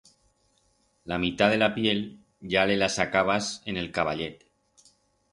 La mitat de la piel ya le la sacabas en el caballet.